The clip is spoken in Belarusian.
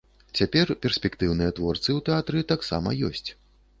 Цяпер перспектыўныя творцы ў тэатры таксама ёсць.